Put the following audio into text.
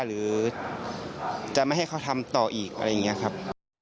หรือจะไม่ให้เขาทำต่ออีกอะไรอย่างนี้ครับ